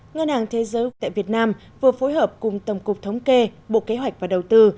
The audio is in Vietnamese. ngân hàng thế giới tại việt nam vừa phối hợp cùng tổng cục thống kê bộ kế hoạch và đầu tư